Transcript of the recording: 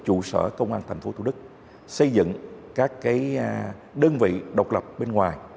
ubnd tp thủ đức xây dựng các đơn vị độc lập bên ngoài